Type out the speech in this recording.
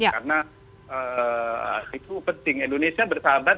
karena itu penting indonesia bersahabat